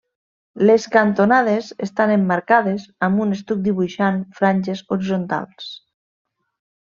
Les cantonades estan emmarcades amb un estuc dibuixant franges horitzontals.